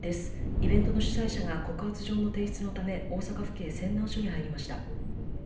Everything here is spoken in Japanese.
イベントの主催者が告発状の提出のため、大阪府警泉南署に入りま